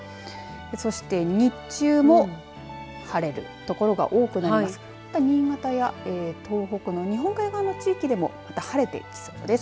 そして日中も晴れる所が多くなります。